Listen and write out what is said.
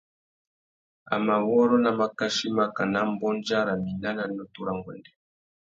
A mà wôrrô nà makachí makana mbôndia râ mina nà nutu râ nguêndê.